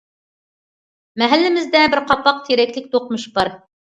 مەھەللىمىزدە بىر قاپاق تېرەكلىك دوقمۇش بار.